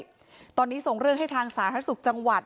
ใจอื่นด้วยตอนนี้ส่งเลือกให้ทางสาธารณสุขจังหวัด